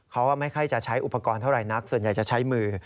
เขาไม่ค่อยจะใช้อุปกรณ์เท่าไหร่นักส่วนใหญ่จะใช้มือ